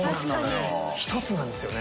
１つなんですよね。